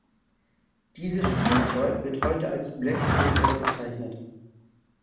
Dieses Spielzeug wird heute als Blechspielzeug bezeichnet.